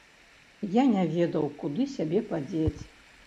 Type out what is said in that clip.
Я не ведаў, куды сябе падзець.